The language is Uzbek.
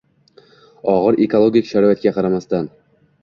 og‘ir ekologik sharoitga qaramasdan